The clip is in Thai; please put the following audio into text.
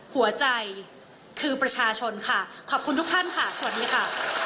หัวใจคือประชาชนค่ะขอบคุณทุกท่านค่ะสวัสดีค่ะ